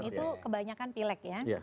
dan itu kebanyakan pilek ya